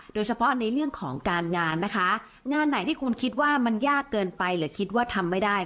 โดยเฉพาะในเรื่องของการงานนะคะงานไหนที่คุณคิดว่ามันยากเกินไปหรือคิดว่าทำไม่ได้